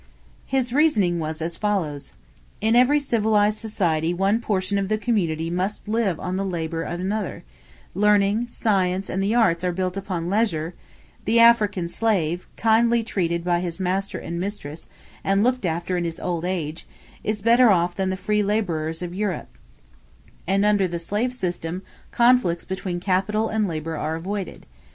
His reasoning was as follows: in every civilized society one portion of the community must live on the labor of another; learning, science, and the arts are built upon leisure; the African slave, kindly treated by his master and mistress and looked after in his old age, is better off than the free laborers of Europe; and under the slave system conflicts between capital and labor are avoided.